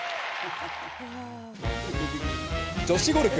女子ゴルフ。